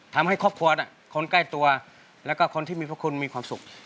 ทำให้ครอบครัวคนใกล้ตัวแล้วก็คนที่มีพระคุณมีความสุข